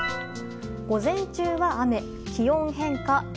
午前中は雨、気温変化大。